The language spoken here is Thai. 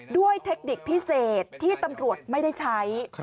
เทคนิคพิเศษที่ตำรวจไม่ได้ใช้